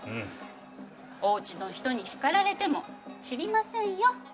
おうちの人に叱られても知りませんよ。